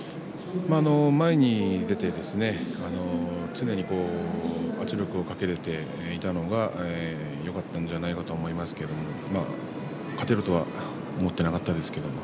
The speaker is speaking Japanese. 前に出て常に圧力をかけれていたのがよかったんじゃないかと思いますけれども勝てるとは思っていなかったですけれども。